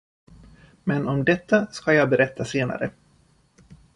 Men om detta skall jag berätta senare.